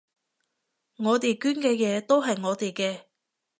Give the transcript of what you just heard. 我哋捐嘅嘢都係我哋嘅